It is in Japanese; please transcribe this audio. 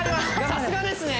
さすがですね